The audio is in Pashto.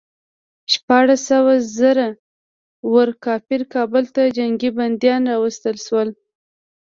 شپاړس سوه زړه ور کافر کابل ته جنګي بندیان راوستل شول.